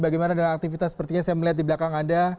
bagaimana dengan aktivitas sepertinya saya melihat di belakang anda